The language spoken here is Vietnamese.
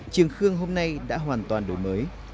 triềng khương hôm nay đã hoàn toàn đổi mới